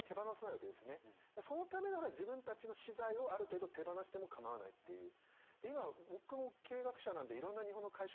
そのためなら自分たちの私財をある程度手放してもかまわないっていう。